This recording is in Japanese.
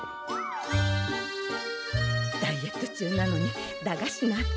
ダイエット中なのに駄菓子なんて。